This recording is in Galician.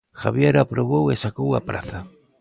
Javier aprobou e sacou a praza.